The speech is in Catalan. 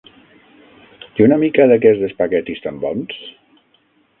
I una mica d'aquests espaguetis tan bons?